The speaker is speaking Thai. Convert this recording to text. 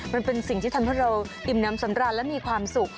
มันเป็นสิ่งที่ทำให้เราอิ่มน้ำสำราญและมีความสุข